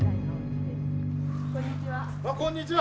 こんにちは！